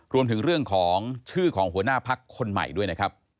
รวมถึงเรื่องของชื่อของหัวหน้าพักคนใหม่ด้วยนะครับ